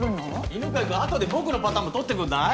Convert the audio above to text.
犬飼君後で僕のパターンも撮ってくんない？